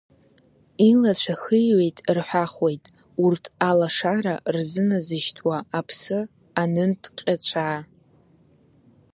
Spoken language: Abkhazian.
Илацәа хиҩеит рҳәахуеит, урҭ алашара рзыназышьҭуа аԥсы анынҭҟьыҵәаа…